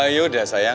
ya udah sayang